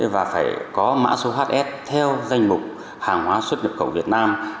và phải có mã số hs theo danh mục hàng hóa xuất nhập khẩu việt nam